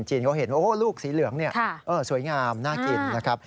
เขาเห็นว่าโอ้โฮลูกสีเหลืองนี่สวยงามน่ากินนะครับ